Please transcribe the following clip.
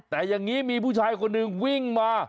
แต่อย่างนี้มีผู้ชายคนหนึ่งวิ่งมา